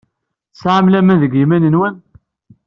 Tesɛam laman deg yiman-nwen?